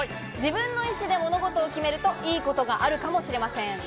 自分の意思で物事を決めると良いことがあるかもしれません。